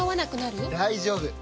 大丈夫！